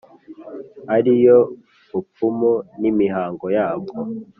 ari yo bupfumu n’imihango yabwo.